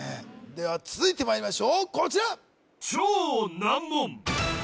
では続いてまいりましょうこちら